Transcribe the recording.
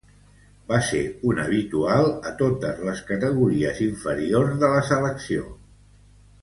Va ser un habitual a totes les categories inferiors de la selecció espanyola.